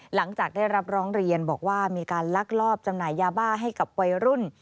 หลังจากได้รับร้องเรียนบอกว่ามีการลักลอบจำหน่ายยาบ้าให้กับวัยรุ่น